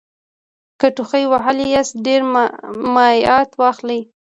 که ټوخي وهلي یاست ډېر مایعت واخلئ